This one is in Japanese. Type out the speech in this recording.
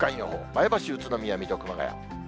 前橋、宇都宮、水戸、熊谷。